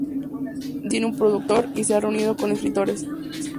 Declaró que tiene un productor y se ha reunido con escritores.